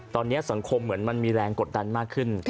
ตอนนี้สังคมเหมือนมันมีแรงกดดันมากขึ้น